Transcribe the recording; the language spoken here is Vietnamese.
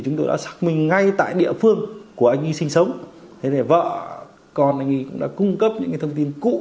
chúng tôi đã xác minh ngay tại địa phương của anh y sinh sống thế này vợ còn mình đã cung cấp những thông